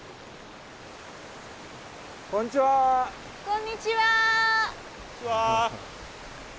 こんにちは。